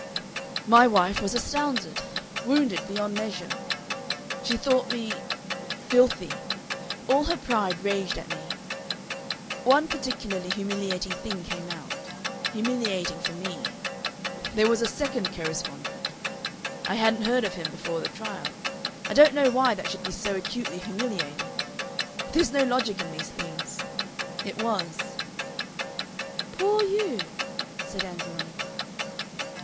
"My wife was astounded wounded beyond measure. She thought me filthy. All her pride raged at me. One particularly humiliating thing came out humiliating for me. There was a second co respondent. I hadn't heard of him before the trial. I don't know why that should be so acutely humiliating. There's no logic in these things. It was." "Poor you!" said Ann Veronica.